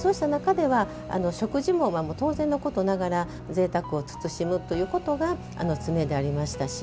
そうした中では食事も当然のことながらぜいたくを慎むということが常でありましたし。